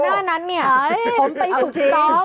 หน้านั้นเนี่ยผมไปฝึกซ้อม